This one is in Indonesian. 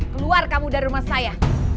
keluar kamu dari rumah saya